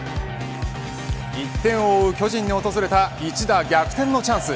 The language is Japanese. １点を追う巨人に訪れた一打逆転のチャンス。